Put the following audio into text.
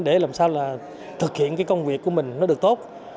để làm sao là thực hiện công việc của mình được tốt